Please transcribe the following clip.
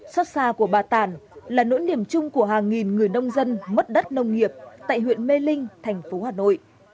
xót xa của bà tản là nỗi niềm chung của hàng nghìn người nông dân mất đất nông nghiệp tại huyện mê linh thành phố hà nội